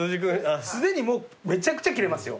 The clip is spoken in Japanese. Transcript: すでにもうめちゃくちゃ切れますよ。